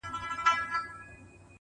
ته مې اخر دا خوند هم تروړې له زندګۍ